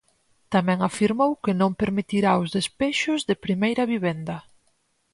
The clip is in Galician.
Tamén afirmou que non permitirá os despexos de primeira vivenda.